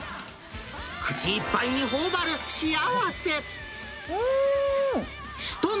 口いっぱいにほおばる幸せ。